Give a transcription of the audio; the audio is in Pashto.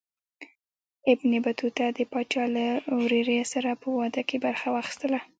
ابن بطوطه د پاچا له ورېرې سره په واده کې برخه واخیستله.